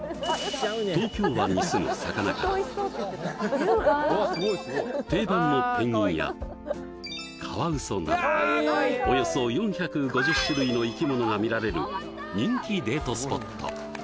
東京湾にすむ魚から定番のペンギンやカワウソなどおよそ４５０種類の生き物が見られる人気デートスポット！